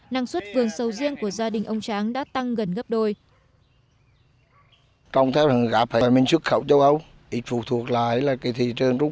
năng suất vườn sầu riêng của gia đình ông tráng đã tăng gần gấp đôi